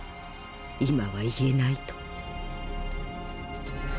「今は言えない」と。